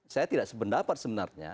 saya tidak sependapat sebenarnya